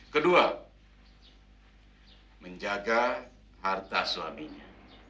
kedua menjaga harta suaminya